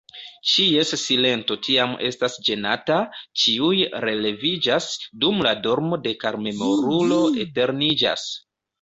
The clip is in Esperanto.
Ĉies silento tiam estas ĝenata; Ĉiuj releviĝas, dum la dormo de karmemorulo eterniĝas.